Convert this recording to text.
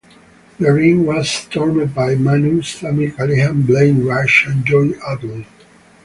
The ring was stormed by Manu, Sami Callihan, Blain Rage and Joey Attel.